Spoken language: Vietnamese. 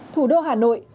thủ đô hà nội